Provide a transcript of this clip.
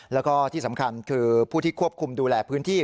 แล้วก็ที่สำคัญคือผู้ที่ควบคุมดูแลพื้นที่